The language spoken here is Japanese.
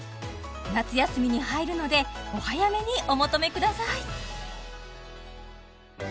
夏休みに入るのでお早めにお求めください